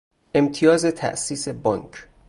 امتیاز تاسیس بانک